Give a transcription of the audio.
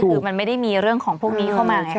คือมันไม่ได้มีเรื่องของพวกนี้เข้ามาไง